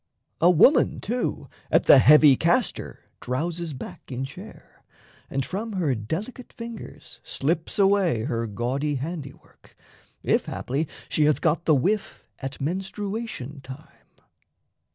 A woman, too, At the heavy castor drowses back in chair, And from her delicate fingers slips away Her gaudy handiwork, if haply she Hath got the whiff at menstruation time.